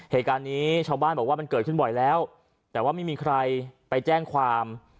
เหตุการณ์นี้ชาวบ้านบอกว่ามันเกิดขึ้นบ่อยแล้วแต่ว่าไม่มีใครไปแจ้งความ